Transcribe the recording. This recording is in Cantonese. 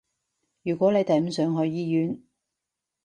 如果你哋唔想去醫院